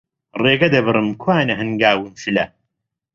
ڕێگە دەبڕم، کوانێ هەنگاوم شلە